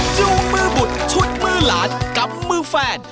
จูงมือบุตรชุดมือหลานกับมือแฟน